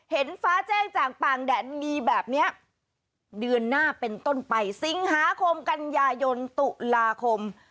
เห็นฟ้าแจ้งจากปากแดนมีแบบนี้เดือนหน้าเป็นต้นไปสิงหาคมกันยายนตุลาคม